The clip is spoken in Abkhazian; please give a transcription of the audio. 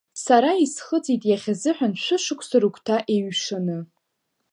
Сара исхыҵит иахьазыҳәан шәышықәса рыгәҭа еиҩшаны.